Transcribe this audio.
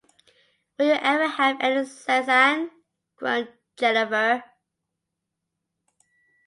“Will you ever have any sense, Anne?” groaned Jennifer.